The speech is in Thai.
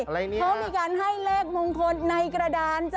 อะไรนี่ฮะเพราะมีการให้เลขมงคลในกระดาน